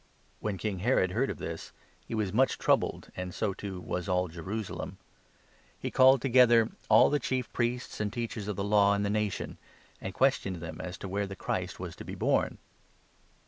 When King Herod heard of this, he was much troubled, and 3 so, too, was all Jerusalem. He called together all the Chief 4 Priests and Teachers of the Law in the nation, and questioned them as to where the Christ was to be born.